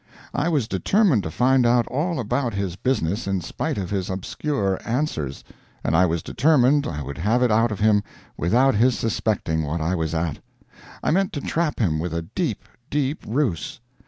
I was determined to find out all about his business in spite of his obscure answers and I was determined I would have it out of him without his suspecting what I was at. I meant to trap him with a deep, deep ruse.